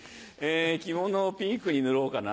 着物をピンクに塗ろうかな。